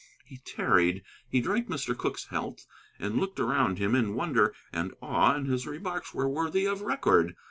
He tarried. He drank Mr. Cooke's health and looked around him in wonder and awe, and his remarks were worthy of record.